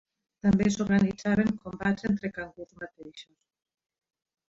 També s'organitzaven combats entre cangurs mateixos.